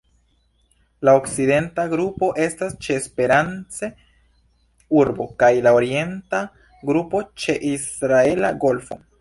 La okcidenta grupo estas ĉe Esperance-Urbo kaj la orienta grupo ĉe Israela Golfo.